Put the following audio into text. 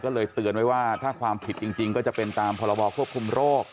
ก็เลยเตือนไว้ว่าถ้าความผิดจริงก็จะเป็นตามพรบควบคุมโรค